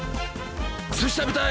すし食べたい！